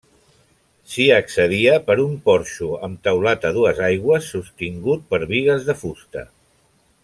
S'hi accedia per un porxo amb teulat a dues aigües, sostingut per bigues de fusta.